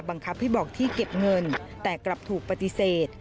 บังคับให้บอกที่เก็บเงินแต่กลับถูกปฏิเสธ